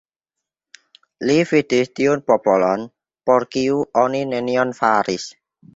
Li vidis tiun popolon, por kiu oni nenion faris.